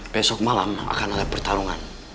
besok malam akan ada pertarungan